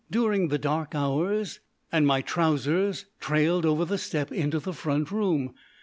during the dark hours, and my trousers trailed over the step into the front room.